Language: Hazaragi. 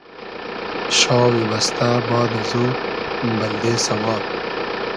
شاوی بئستۂ باد ازو بلدې سئواب